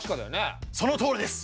そのとおりです！